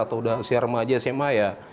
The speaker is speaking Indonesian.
atau sudah usia remaja sma ya